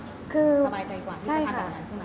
คือสบายใจกว่าที่จะทำแบบนั้นใช่ไหม